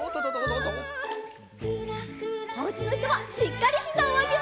おうちのひとはしっかりひざをあげましょう。